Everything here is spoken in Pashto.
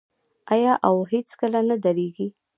آیا او هیڅکله نه دریږي؟